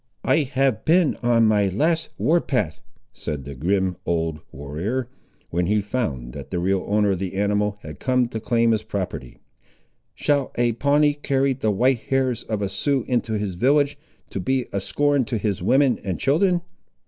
"I have been on my last war path," said the grim old warrior, when he found that the real owner of the animal had come to claim his property; "shall a Pawnee carry the white hairs of a Sioux into his village, to be a scorn to his women and children?"